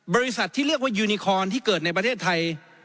บริษัทที่เรียกว่ายูนิคอนที่เกิดในประเทศไทย